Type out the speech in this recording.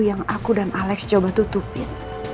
yang aku dan alex coba tutupin